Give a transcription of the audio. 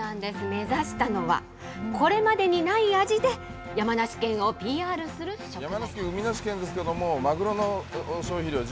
目指したのは、これまでにない味で山梨県をＰＲする食材です。